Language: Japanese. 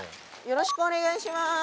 よろしくお願いします。